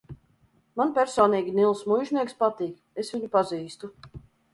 Man personīgi Nils Muižnieks patīk, es viņu pazīstu.